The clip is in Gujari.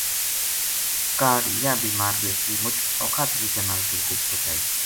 کاہڈ یاہ بیمار بیٹکی مُچ اوکھا طریقہ نال گلگت پوہچائی